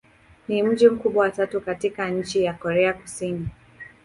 Ni mji mkubwa wa tatu katika nchi wa Korea Kusini.